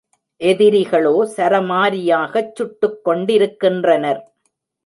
எதிரிகளோ சரமாரியாகச் சுட்டுக் கொண்டிருக் கின்றனர்.